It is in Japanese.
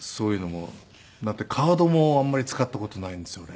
だってカードもあんまり使った事ないんですよ俺。